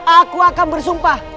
aku akan bersumpah